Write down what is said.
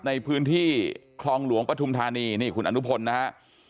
ในพื้นที่คลองหลวงปฐุมธานีนี่คุณอนุพลนะฮะ